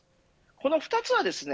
この２つはですね